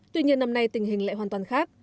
tuy nhiên năm nay tình hình lại hoàn toàn khác